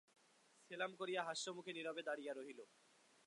সেলাম করিয়া হাস্যমুখে নীরবে দাঁড়াইয়া রহিল।